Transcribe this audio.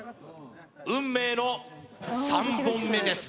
運命の３本目です